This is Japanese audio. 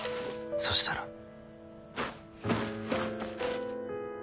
そしたら。